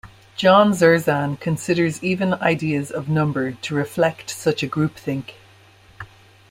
John Zerzan considers even ideas of "number" to reflect such a groupthink.